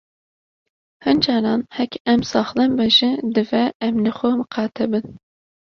Hin caran heke em saxlem bin jî divê em li xwe miqate bin.